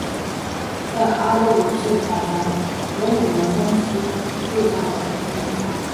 在阿波罗计划中格鲁门公司制造了登月舱。